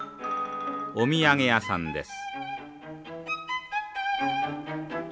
お土産屋さんです。